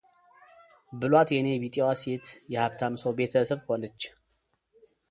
ብሏት የእኔ ቢጤዋ ሴት የሃብታም ሰው ቤተሰብ ሆነች፡፡